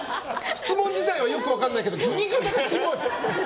質問自体はよく分かんないけど聞き方がキモい！